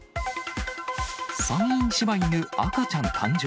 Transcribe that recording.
山陰柴犬、赤ちゃん誕生。